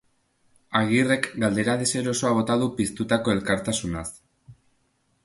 Agirrek galdera deserosoa bota du piztutako elkartasunaz.